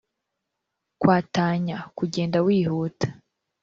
kwatanya: kugenda wihuta